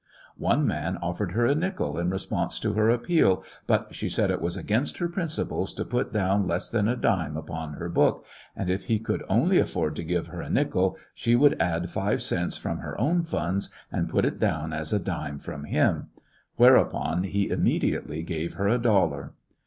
One man offered her a nickel in response to her appeal, but she said it was against her principles to put down less than a dime upon her book, and if he could only afford to give her a nickel she would add five cents from her own funds and put it down as a dime from him, whereupon he immediately gave her a dollar.